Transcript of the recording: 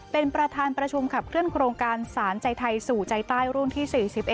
เป็นประธานประชุมขับเคลื่อนโครงการสารใจไทยสู่ใจใต้รุ่นที่๔๑